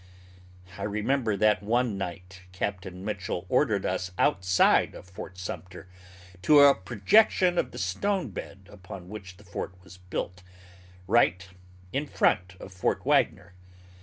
I remember that one night Capt. Mitchell ordered us outside of Fort Sumter to a projection of the stone bed upon which the Fort was built, right in front of Fort Wagner.